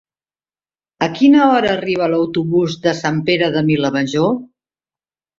A quina hora arriba l'autobús de Sant Pere de Vilamajor?